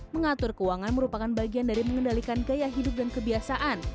mengatur keuangan merupakan bagian dari mengendalikan gaya hidup dan kebiasaan